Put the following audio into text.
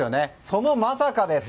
そのまさかです。